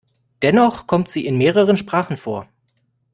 Dennoch kommt sie in mehreren Sprachen vor.